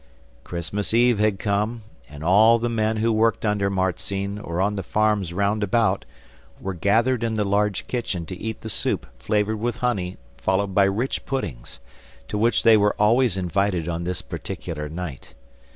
Christmas Eve had come, and all the men who worked under Marzinne or on the farms round about were gathered in the large kitchen to eat the soup flavoured with honey followed by rich puddings, to which they were always invited on this particular night.